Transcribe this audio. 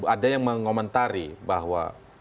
ada yang mengomentari bahwa